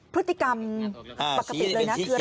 พฤติกรรมปกติเลยคืออะไรดูนะ